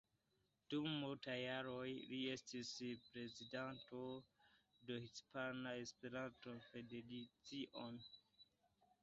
Dum multaj jaroj li estis prezidanto de Hispana Esperanto-Federacio.